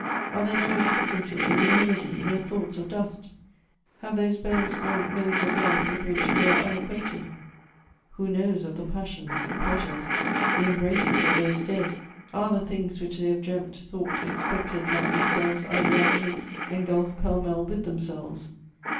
Are there no existences of nihility, no thoughts of dust? Have those bones no modes of life with which we are unacquainted? Who knows of the passions, the pleasures, the embraces of those dead? Are the things which they have dreamt, thought, expected like themselves idealities, engulfed pell mell with themselves?